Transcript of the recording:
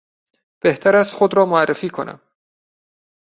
بهتر است خود را معرفی کنم.